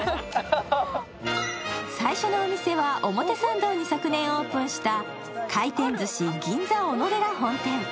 最初のお店は、表参道に昨年オープンした廻転鮨銀座おのでら本店。